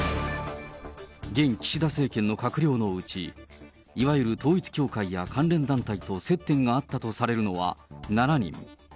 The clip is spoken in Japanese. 現岸田政権の閣僚のうち、いわゆる統一教会や関連団体と接点があったとされるのは７人。